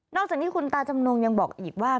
จากนี้คุณตาจำนงยังบอกอีกว่า